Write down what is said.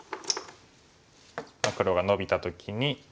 黒がノビた時に。